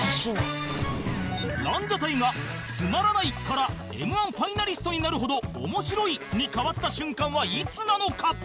ランジャタイがつまらないから Ｍ−１ ファイナリストになるほど面白いに変わった瞬間はいつなのか？